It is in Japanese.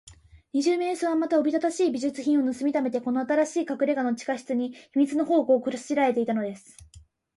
二十面相は、また、おびただしい美術品をぬすみためて、この新しいかくれがの地下室に、秘密の宝庫をこしらえていたのです。